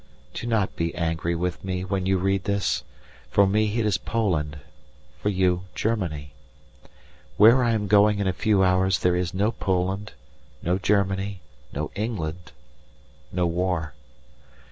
Do not be angry with me when you read this. For me it is Poland, for you Germany. Where I am going in a few hours there is no Poland, no Germany, no England, no war.